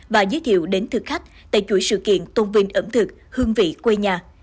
và giới thiệu đến thực khách tại chuỗi sự kiện tôn vinh ẩm thực hương vị quê nhà